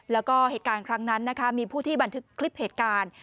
แล้วก็เหตุการณ์ครั้งนั้นนะคะมีผู้ที่บันทึกคลิปเหตุการณ์